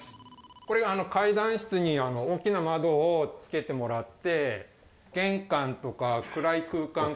これ階段室に大きな窓を付けてもらって。